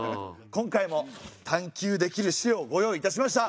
今回も探究できる資料をご用意いたしました。